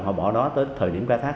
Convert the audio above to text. họ bỏ đó tới thời điểm ca thác